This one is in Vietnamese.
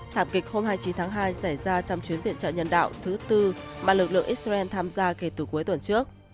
thảm kịch hôm hai mươi chín tháng hai xảy ra trong chuyến viện trợ nhân đạo thứ tư mà lực lượng israel tham gia kể từ cuối tuần trước